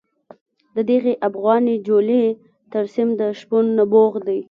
د دغې افغاني جولې ترسیم د شپون نبوغ دی.